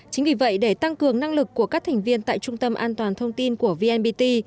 chính vì vậy để tăng cường năng lực của các thành viên tại trung tâm an toàn thông tin của vnpt